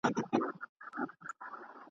رډي سترګي یې زمري ته وې نیولي ..